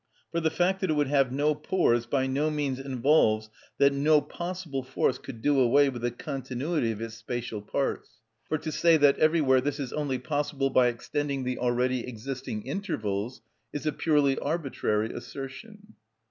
For the fact that it would have no pores by no means involves that no possible force could do away with the continuity of its spatial parts. For to say that everywhere this is only possible by extending the already existing intervals is a purely arbitrary assertion.